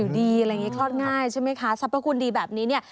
ผิวดีคลอดไงสรรพคุณดีแบบนี้